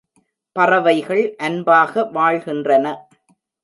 பறவைகள் அன்பாக வாழ்கின்றன.